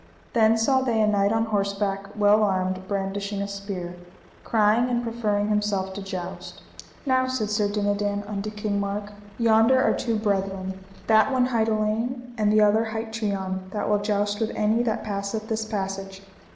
Then saw they a knight on horseback well armed, brandishing a spear, crying and proffering himself to joust. Now, said Sir Dinadan unto King Mark, yonder are two brethren, that one hight Alein, and the other hight Trian, that will joust with any that passeth this passage.